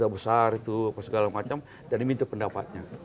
besar itu segala macam dan diminta pendapatnya